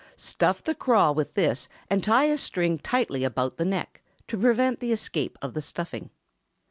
Stuff the craw with this, and tie a string tightly about the neck, to prevent the escape of the stuffing.